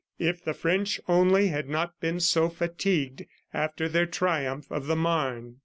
... If the French only had not been so fatigued after their triumph of the Marne!